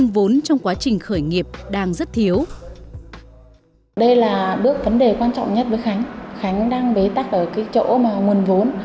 và bước vấn đề quan trọng nhất với khánh khánh đang bế tắc ở chỗ nguồn vốn